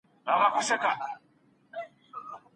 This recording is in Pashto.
د نورو چلند زموږ ارزښت نه سي کمولای.